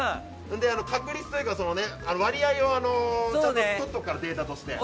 確率というか割合をちゃんととっておくからデータとして。